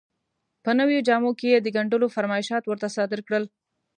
په نویو جامو کې یې د ګنډلو فرمایشات ورته صادر کړل.